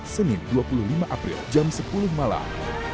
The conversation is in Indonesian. senin dua puluh lima april jam sepuluh malam